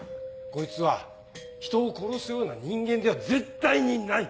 こいつは人を殺すような人間では絶対にない！